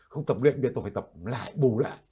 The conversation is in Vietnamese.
không tập luyện biệt tôi phải tập lại bù lại